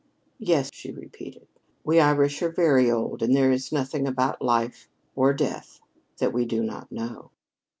"Yes," she repeated, "we Irish are very old, and there is nothing about life or death that we do not know."